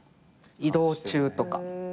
移動中とか。